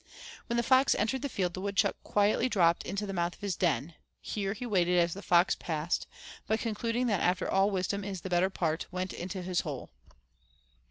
When the fox entered the field the woodchuck quietly dropped down to the mouth of his den: here he waited as the fox passed, but concluding that after all wisdom is the better part, went into his hole.